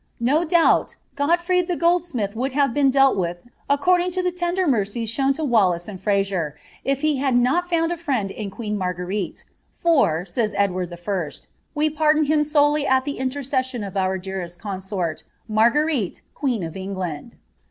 '^ No doubt, Godferey the gold mith would have been dealt with, according to the tender mercies shown to Wallace and Eraser, if he had not found a friend in queen Margue lile ;^ for," says Edward I., ^ we pardon him solely at the intercession of our dearest consort. Marguerite queen of England.'